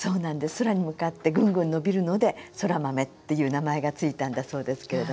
空に向かってぐんぐん伸びるのでそら豆っていう名前が付いたんだそうですけれども。